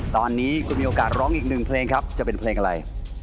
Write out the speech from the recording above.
ตอนนี้คุณมีโอกาสร้องอีกหนึ่งเพลงครับจะเป็นเพลงอะไร